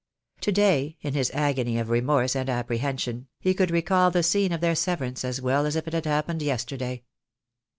To day in his agony of remorse and apprehension, he could recall the scene of their severance as well as if it had happened yesterday.